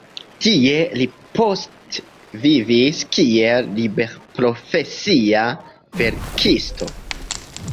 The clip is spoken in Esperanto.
Tie li poste vivis kiel liberprofesia verkisto.